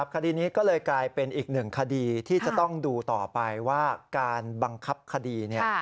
คดีนี้ก็เลยกลายเป็นอีกหนึ่งคดีที่จะต้องดูต่อไปว่าการบังคับคดี